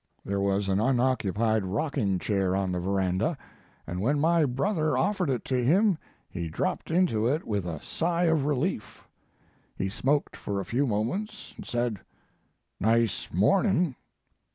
There was an unoccupied rocking chair on the veranda, and when my brother offered it to him he dropped into it with a sigh of relief. He smoked for a few moments and said: "Nice morning."